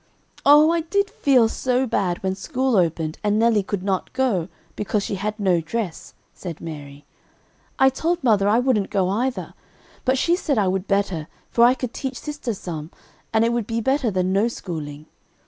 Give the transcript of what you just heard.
"Oh, I did feel so bad when school opened and Nelly could not go, because she had no dress," said Mary. "I told mother I wouldn't go either, but she said I would better, for I could teach sister some, and it would be better than no schooling.